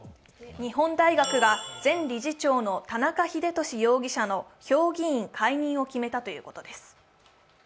日本大学が前理事長の田中英寿容疑者の評議員解任を決めたということです。